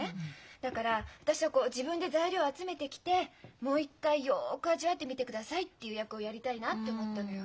だから私はこう自分で材料集めてきて「もう一回よく味わってみてください」っていう役をやりたいなって思ったのよ。